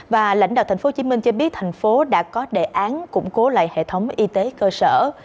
và lãnh đạo tp hcm cho biết thành phố đã có đề án củng cố lại hệ thống y tế cơ sở